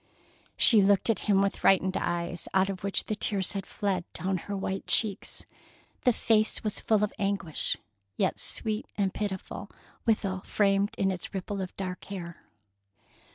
She looked at him with frightened eyes, out of which the tears had fled down her white cheeks. The face was full of anguish, yet sweet and pitiful withal, framed in its ripple of dark hair.